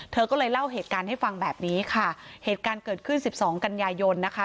เธอก็เลยเล่าเหตุการณ์ให้ฟังแบบนี้ค่ะเหตุการณ์เกิดขึ้นสิบสองกันยายนนะคะ